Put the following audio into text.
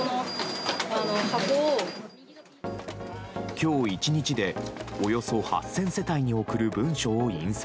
今日１日でおよそ８０００世帯に送る文書を印刷。